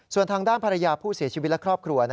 ส่วนทางด้านภรรยาผู้เสียชีวิตและครอบครัว